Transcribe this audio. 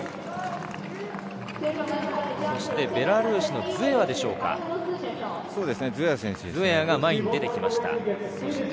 そしてベラルーシのズエワでしょうか、前に出てきました。